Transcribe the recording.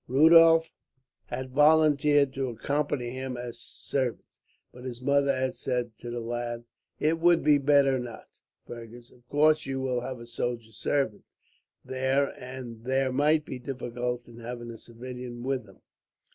Rudolph had volunteered to accompany him as servant, but his mother had said to the lad: "It would be better not, Fergus. Of course you will have a soldier servant, there, and there might be difficulties in having a civilian with you."